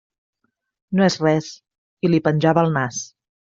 No és res, i li penjava el nas.